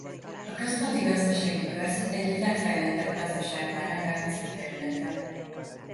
A Központi Gazdasági Körzet egyik legfejlettebb gazdasággal rendelkező területe.